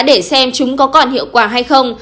để xem chúng có còn hiệu quả hay không